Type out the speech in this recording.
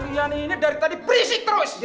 riani ini dari tadi berisik terus